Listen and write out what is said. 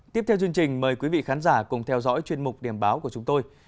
tiếp theo chương trình mời quý vị khán giả cùng theo dõi chuyên mục điểm báo của chúng tôi